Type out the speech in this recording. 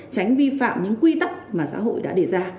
tránh vi phạm những quy tắc mà xã hội đã đề ra